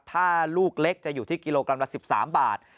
ถ้าลูกเล็กจะอยู่ที่กิโลกรัมละ๑๓บาท